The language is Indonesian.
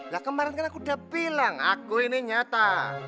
lah kemarin kan aku udah bilang aku ini nyata